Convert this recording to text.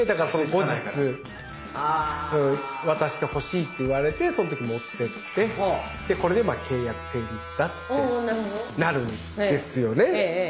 後日渡してほしいって言われてその時に持ってってこれで契約成立だってなるんですよね。